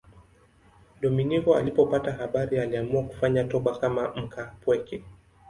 Dominiko alipopata habari aliamua kufanya toba kama mkaapweke.